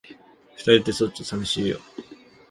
二人って、ちょっと寂しいよ。